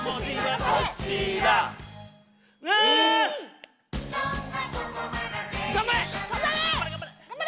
ん頑張れ！